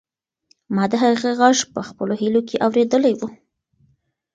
ما د هغې غږ په خپلو هیلو کې اورېدلی و.